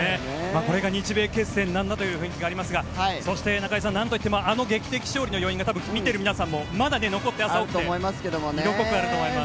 これが日米決戦なんだという雰囲気がありますが中居さん、なんといってもあの劇的勝利の余韻が見ている皆さんもまだ残っていると思いますが色濃くあると思います。